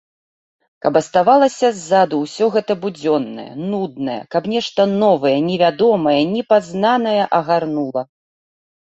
Каб аставалася ззаду ўсё гэта будзённае, нуднае, каб нешта новае, невядомае, непазнанае агарнула.